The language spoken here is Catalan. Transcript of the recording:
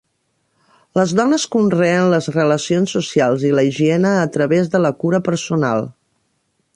Les dones conreen les relacions socials i la higiene a través de la cura personal.